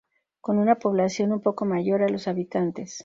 Con una población un poco mayor a los habitantes.